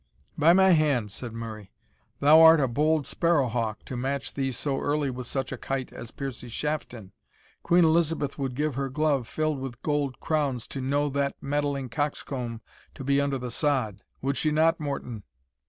"By my hand," said Murray, "thou art a bold sparrow hawk, to match thee so early with such a kite as Piercie Shafton. Queen Elizabeth would give her glove filled with gold crowns to know that meddling coxcomb to be under the sod. Would she not, Morton?"